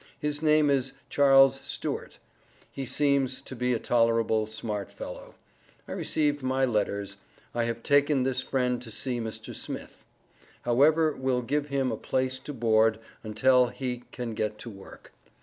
His name is Chas. Stuert, he seemes to be a tolerable smart fellow. I Rec'd my letters. I have taken this friend to see Mr. Smith. However will give him a place to board untell he can get to work.